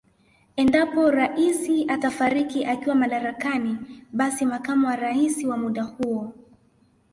Endapo Rais atafariki akiwa madarakani basi makamu wa Rais wa muda huo